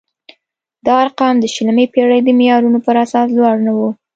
دا ارقام د شلمې پېړۍ د معیارونو پر اساس لوړ نه وو.